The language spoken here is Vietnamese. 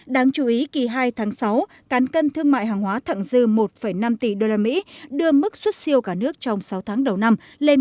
đáng chú ý kỳ hai tháng sáu cán cân thương mại hàng hóa thẳng dư một năm tỷ usd đưa mức xuất siêu cả nước trong sáu tháng đầu năm lên một năm mươi chín tỷ usd